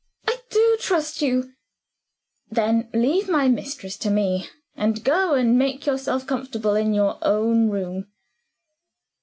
"I do trust you." "Then leave my mistress to me and go and make yourself comfortable in your own room."